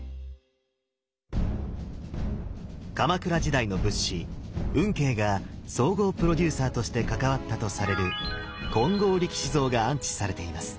鎌倉時代の仏師運慶が総合プロデューサーとして関わったとされる金剛力士像が安置されています。